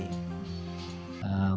dilakukan di tengah pandemi